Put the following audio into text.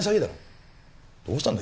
どうしたんだ急に。